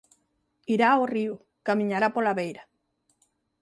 Irá ó río, camiñará pola beira.